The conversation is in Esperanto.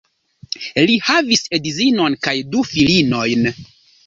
Li havis edzinon kaj du filinojn.